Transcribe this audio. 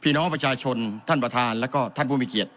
พี่น้องประชาชนท่านประธานแล้วก็ท่านผู้มีเกียรติ